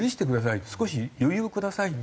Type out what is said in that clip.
「少し余裕をください」。